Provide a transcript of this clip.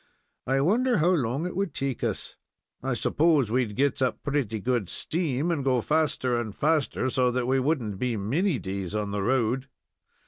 I wonder how long it would take us? I s'pose we'd get up pretty good steam, and go faster and faster, so that we wouldn't be many days on the road.